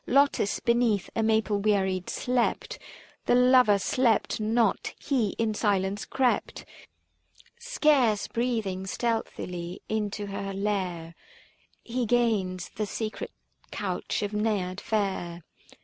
Lotis beneath a maple wearied slept. The lover slept not, he in silence crept, Scarce breathing, stealthily unto her lair ; 455 He gains the secret couch of Naiad fair, 18 THE FASTI.